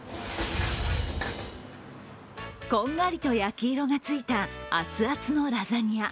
こんがりと焼き色がついたアツアツのラザニア。